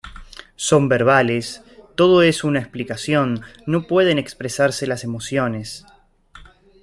Son verbales, todo es una explicación, no pueden expresarse las emociones.